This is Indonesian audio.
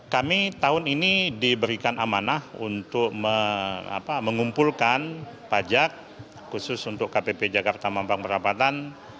kami tahun ini diberikan amanah untuk mengumpulkan pajak khusus untuk kpp jakarta mampang perapatan